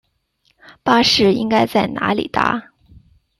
巴士应该在哪里搭？